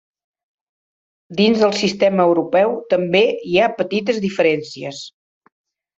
Dins del sistema europeu també hi ha petites diferències.